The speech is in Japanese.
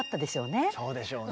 そうでしょうね。